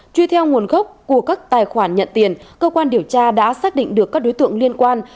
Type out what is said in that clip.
truy theo nguồn gốc của các tài khoản nhận tiền cơ quan điều tra đã xác định được các đối tượng liên quan